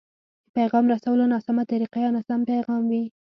د پيغام رسولو ناسمه طريقه يا ناسم پيغام وي.